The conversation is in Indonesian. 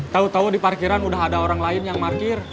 tau tau di parkiran udah ada orang lain yang markir